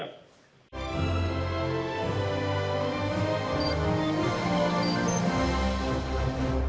momentum perbaikan ekonomi di dalam negeri perbaikan ekonomi nasional momentum berlanjut pada tahun dua ribu dua puluh dua ini